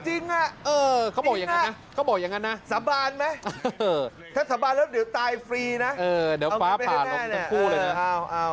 จริงเหรอจริงเหรอสาบานไหมถ้าสาบานแล้วเดี๋ยวตายฟรีนะเอาเงินไปให้แม่นี่เอา